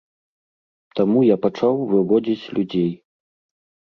Таму я пачаў выводзіць людзей.